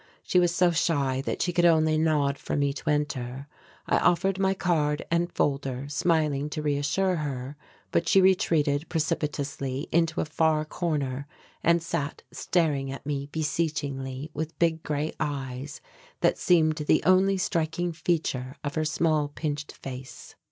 She was so shy that she could only nod for me to enter. I offered my card and folder, smiling to reassure her, but she retreated precipitously into a far corner and sat staring at me beseechingly with big grey eyes that seemed the only striking feature of her small pinched face.